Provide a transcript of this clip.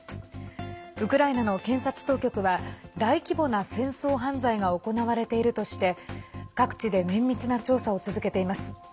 ウクライナの検察当局は大規模な戦争犯罪が行われているとして各地で綿密な調査を続けています。